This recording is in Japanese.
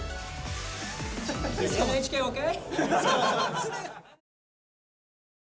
ＮＨＫＯＫ？